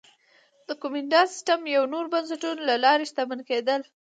د کومېنډا سیستم یا نورو بنسټونو له لارې شتمن کېدل